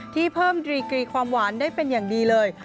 ที่เพิ่มดีกรีความหวานได้เป็นอย่างดีเลย